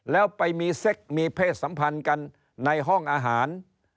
แล้วไปมีเซ็กมีเพศสัมพันธ์กันในห้องอาหาร